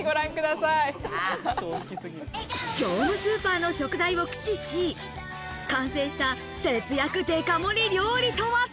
業務スーパーの食材を駆使し、完成した節約デカ盛り料理とは？